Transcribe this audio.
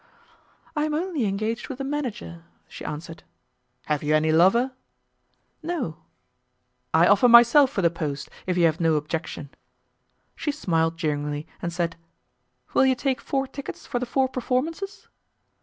"I am only engaged with the manager," she answered. "Have you any lover?" "No." "I offer myself for the post, if you have no objection." She smiled jeeringly, and said, "Will you take four tickets for the four performances?"